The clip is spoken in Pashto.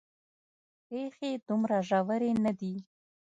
پېښې دومره ژورې نه دي.